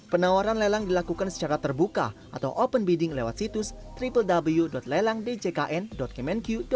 penawaran lelang dilakukan secara terbuka atau open bidding lewat situs www lelang djkn kemenq